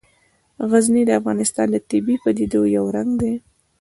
غزني د افغانستان د طبیعي پدیدو یو رنګ دی.